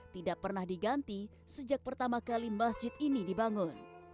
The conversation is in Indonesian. tidak pernah diganti sejak pertama kali masjid ini dibangun